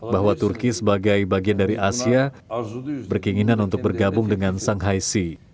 bahwa turki sebagai bagian dari asia berkeinginan untuk bergabung dengan shanghai sea